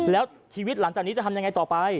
แล้วชีวิตหลังจากนี้จะทำยังไงต่อไป